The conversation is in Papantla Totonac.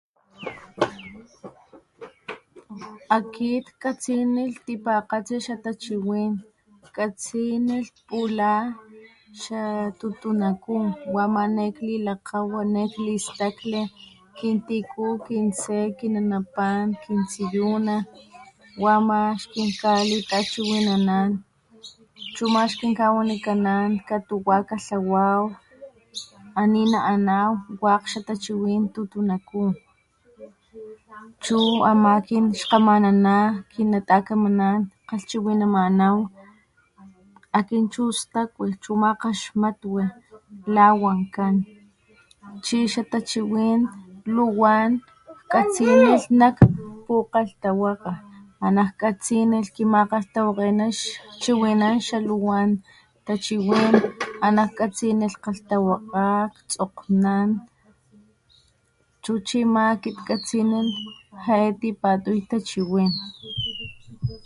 Akit katsiní tipakgatsi xatachiwín katsi nak pula cha tutunakú wa ma kí lakgawani kistakín kin tikú kinsé kinanapan kintsiyuna lama axkin kgali kachiwinanán chu ma xkinkawanikanán katuwá kgalhawaw a nina anaw wak xatachiwín tutunakú chu amá kinxtamanana kinatakamaná kgalchiwinamamaw akin chu stakulh chuma kgaxmatkgwi la wankán chi xatachiwín luwán tatsinilhnakan pukgalhtawakga anak kgatsi najkimakgalhtawakgena xchiwinán xaluwán tachiwín anak katsi nak kgalhtawakgá tsokgnán chu chima kit katsinán ja'e tipatuy tachiwín.